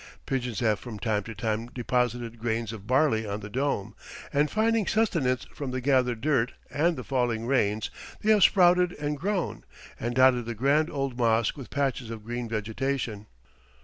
Pigeons have from time to time deposited grains of barley on the dome, and finding sustenance from the gathered dirt and the falling rains, they have sprouted and grown, and dotted the grand old mosque with patches of green vegetation.